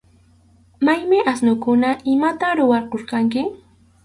¿Maymi asnukuna? ¿Imatam rurarqurqanki?